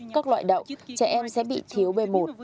các loại đậu trẻ em sẽ bị thiếu b một